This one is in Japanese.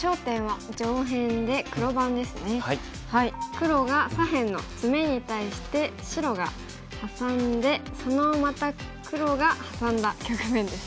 黒が左辺のツメに対して白がハサんでそのまた黒がハサんだ局面ですね。